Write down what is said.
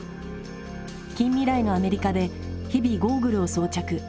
近未来のアメリカで日々ゴーグルを装着。